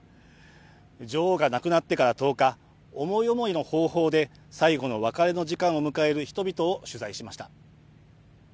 女王が亡くなってから１０日、思い思いの方法で最後の別れの時間を迎える人々を取材しました。